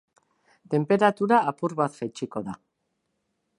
Tenperatura apur bat jaitsiko da.